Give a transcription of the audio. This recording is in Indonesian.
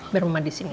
biar mama disini